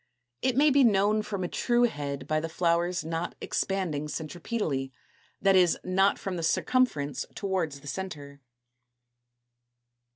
It may be known from a true head by the flowers not expanding centripetally, that is, not from the circumference towards the centre.